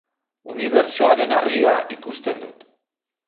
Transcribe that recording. Unibertsoaren argia ikusten dut.